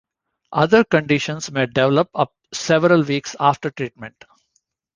Other conditions may develop up several weeks after treatment.